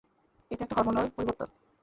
এটা একটা হরমোনাল পরিবর্তন।